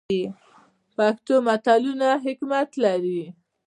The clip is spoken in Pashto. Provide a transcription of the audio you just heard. پښتو متلونه حکمت لري